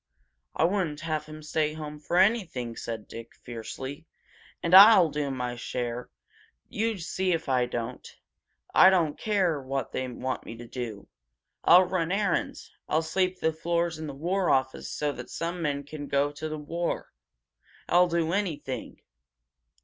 "I wouldn't have him stay home for anything!" said Dick, fiercely. "And I will do my share! You see if I don't! I don't care what they want me to do! I'll run errands I'll sweep out the floors in the War Office, so that some man can go to war! I'll do anything!"